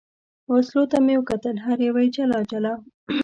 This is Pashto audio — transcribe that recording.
وسلو ته مې کتل، هره یوه یې جلا جلا.